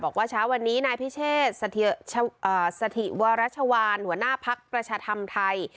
บอกว่าเช้าวันนี้นายพิเชษสถิวรชวานหัวหน้าภักดิ์ประชาธรรมไทย